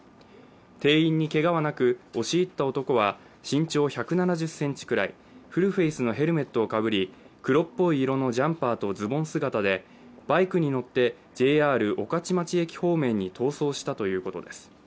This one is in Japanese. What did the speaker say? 店員にけがはなく押し入った男は、身長１７０ｃｍぐらい、フルフェイスのヘルメットをかぶり黒っぽい色のジャンパーとズボン姿でバイクに乗ってＪＲ御徒町駅方面に逃走したということです。